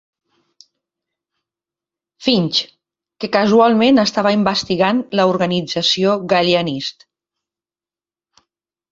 Finch, que casualment estava investigant l'organització "Galleanist".